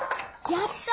やった！